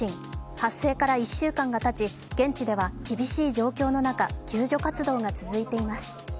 発生から１週間がたち、現地では厳しい状況の中、救助活動が続いています。